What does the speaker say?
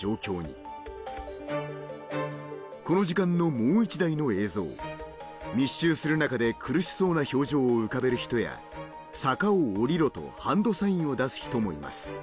この時間のもう１台の映像密集する中で苦しそうな表情を浮かべる人や「坂を下りろ」とハンドサインを出す人もいます